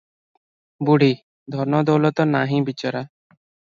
ବୁଢ଼ୀ – ଧନ ଦଉଲତ ନାହିଁ ବିଚାର